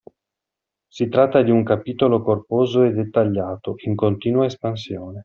Si tratta di un capitolo corposo e dettagliato, in continua espansione.